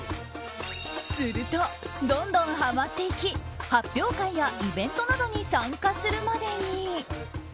すると、どんどんハマっていき発表会やイベントなどに参加するまでに。